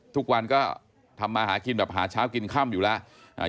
ทุกวันก็ทำมาหากินแบบหาเช้ากินค่ำอยู่แล้ว